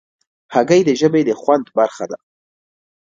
هګۍ د ژبې د خوند برخه ده.